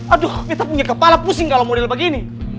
aduh kita punya kepala pusing kalau model begini